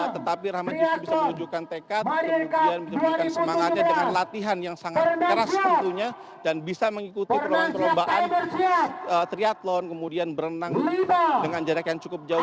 tetapi rahmat justru bisa menunjukkan tekad kemudian menunjukkan semangatnya dengan latihan yang sangat keras tentunya dan bisa mengikuti perlombaan perlombaan triathlon kemudian berenang dengan jarak yang cukup jauh